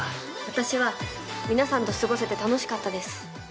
私は皆さんと過ごせて楽しかったです。